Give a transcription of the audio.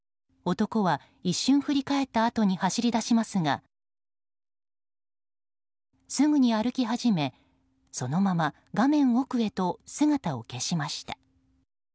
男は一瞬振り返ったあとに走り出しますがすぐに歩き始めそのまま画面奥へと姿を消しました。